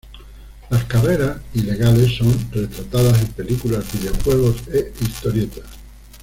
Las carreras ilegales son retratadas en películas, videojuegos e historietas.